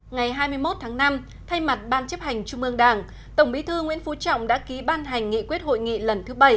ngày hai mươi một tháng năm thay mặt ban chấp hành trung ương đảng tổng bí thư nguyễn phú trọng đã ký ban hành nghị quyết hội nghị lần thứ bảy